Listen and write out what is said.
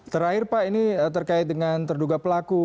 terakhir pak ini terkait dengan terduga pelaku